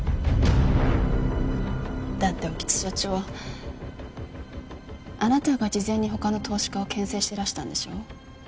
だって興津社長あなたが事前に他の投資家をけん制してらしたんでしょ